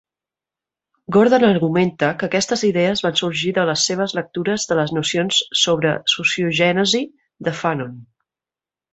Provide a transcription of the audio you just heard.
Gordon argumenta que aquestes idees van sorgir de les seves lectures de les nocions sobre sociogènesi de Fanon.